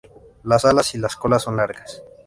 Las alas y la cola son largas.